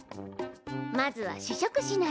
まずは試食しないと。